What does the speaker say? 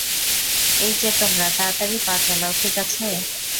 এই যে তোমরা, তাড়াতাড়ি পা চালাও, ঠিক আছে?